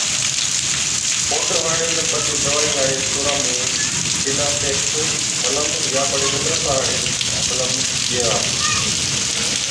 پونڊر هڻڻي کن پڇي دَوائِي هاڙي اسٽورا مُون ٽِينافيڪس ملم يان بڙي گندرفا هاڙِي ملم گيهوا